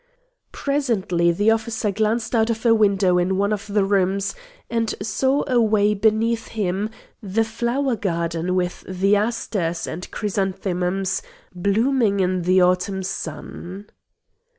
Presently the officer glanced out of a window in one of the rooms and saw away beneath him the flower garden with the asters and chrysanthemums blooming in the autumn sun.